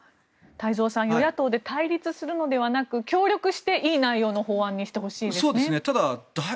太蔵さん与野党で対立するのではなく協力して、いい内容の法案にしてほしいですね。